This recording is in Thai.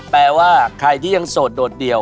แปลว่าใครที่ยังโสดโดดเดี่ยว